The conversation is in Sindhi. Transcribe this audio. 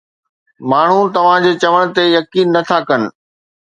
ماڻهو توهان جي چوڻ تي يقين نه ٿا ڪن.